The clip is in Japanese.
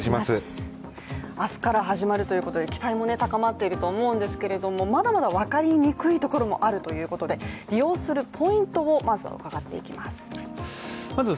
明日から始まるということで期待も高まっていると思うんですけれども、まだまだ分かりにくいところもあるということで利用するポイントをまずは伺っていきます。